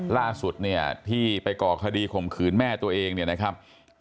ล่าสุดที่ไปก่อคดีข่มขืนแม่ตัวเองนะครับ